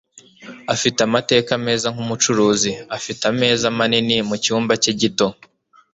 Afite amateka meza nkumucuruzi. Afite ameza manini mucyumba cye gito.